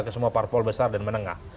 ke semua parpol besar dan menengah